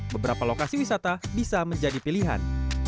beberapa lokasi wisata bisa menjadi pilihan